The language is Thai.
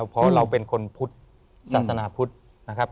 เพราะเราเป็นคนพุทธศาสนาพุทธนะครับ